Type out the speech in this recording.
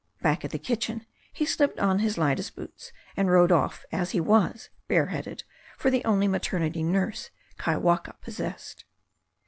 Back at the kitchen, he slipped on his lightest boots, and rode off as he was, bareheaded, for the only maternity nurse Kaiwaka possessed.